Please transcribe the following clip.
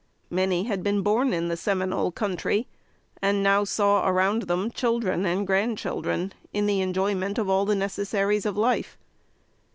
Many had been born in the Seminole country, and now saw around them children and grand children, in the enjoyment of all the necessaries of life.